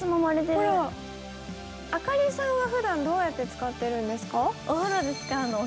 亜香里さんは、ふだんどうやって使っているんですか。